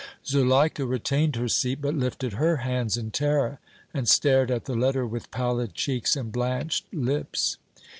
Zuleika retained her seat, but lifted her hands in terror and stared at the letter with pallid cheeks and blanched lips.